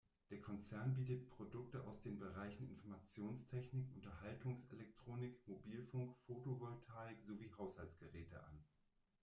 Der Konzern bietet Produkte aus den Bereichen Informationstechnik, Unterhaltungselektronik, Mobilfunk, Photovoltaik sowie Haushaltsgeräte an.